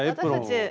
私たち。